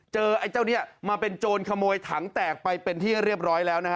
ไอ้เจ้าเนี่ยมาเป็นโจรขโมยถังแตกไปเป็นที่เรียบร้อยแล้วนะฮะ